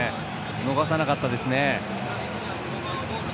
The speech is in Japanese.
逃さなかったですね。